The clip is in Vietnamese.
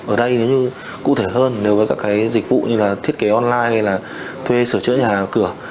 ở đây nếu như cụ thể hơn nếu với các cái dịch vụ như là thiết kế online hay là thuê sửa chữa nhà cửa